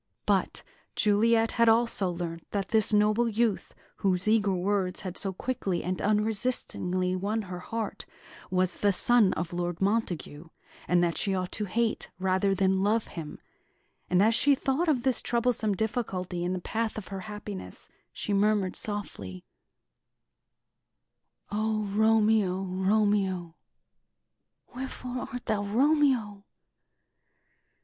But Juliet had also learnt that this noble youth, whose eager words had so quickly and unresistingly won her heart, was the son of Lord Montague, and that she ought to hate, rather than love him; and as she thought of this troublesome difficulty in the path of her happiness, she murmured softly: "O Romeo, Romeo! wherefore art thou Romeo?